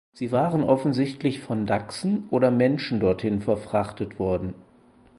Sie waren offensichtlich von Dachsen oder Menschen dorthin verfrachtet worden.